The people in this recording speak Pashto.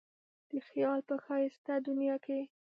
د خیال په ښایسته دنیا کې.